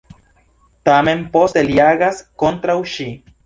Tamen poste li agas kontraŭ ŝi.